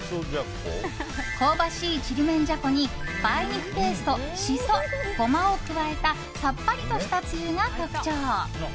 香ばしい、ちりめんじゃこに梅肉ペーストシソ、ゴマを加えたさっぱりとしたつゆが特徴。